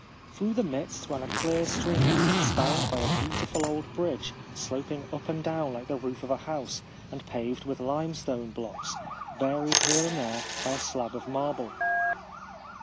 Through the midst ran a clear stream, spanned by a beauti ful old bridge, sloping up and down like the roof of a house, and paved with limestone blocks, varied here and there by a slab of marble.